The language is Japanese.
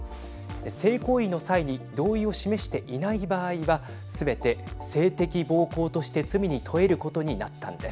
性行為の際に同意を示していない場合はすべて性的暴行として罪に問えることになったんです。